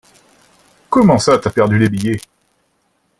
Comment ça t'as perdu les billets?